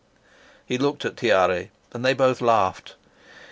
He looked at Tiare, and they both laughed.